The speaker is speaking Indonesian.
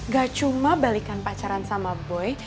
gak cuma balikan pacaran sama boy